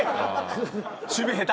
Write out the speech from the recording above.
守備下手。